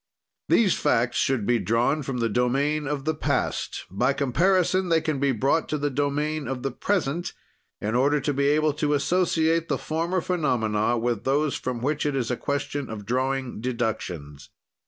"These facts should be drawn from the domain of the past; by comparison, they can be brought to the domain of the present in order to be able to associate the former phenomena with those from which it is a question of drawing deductions.